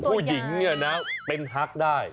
ผู้หญิงเนี่ยนะเป็นฮักได้